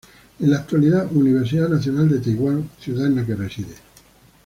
En la actualidad Universidad Nacional de Taiwán, ciudad en la que reside.